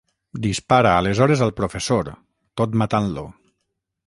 Dispara aleshores al professor, tot matant-lo.